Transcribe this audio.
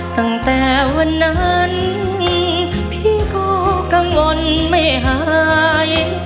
ตั้งแต่วันนั้นพี่ก็กังวลไม่หาย